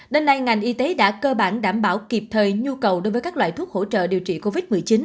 đến nay ngành y tế đã cơ bản đảm bảo kịp thời nhu cầu đối với các loại thuốc hỗ trợ điều trị covid một mươi chín